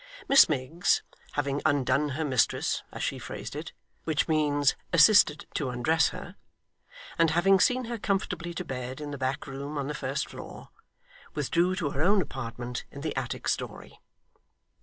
Miss Miggs, having undone her mistress, as she phrased it (which means, assisted to undress her), and having seen her comfortably to bed in the back room on the first floor, withdrew to her own apartment, in the attic story.